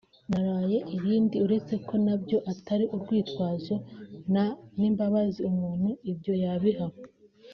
naraye irindi uretse ko nabyo atari urwitwazo nta n’imbabazi umuntu ibyo yabiha